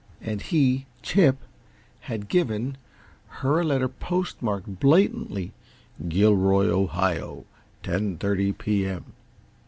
And he Chip had given, her a letter postmarked blatantly: "Gilroy, Ohio, 10:30 P. M."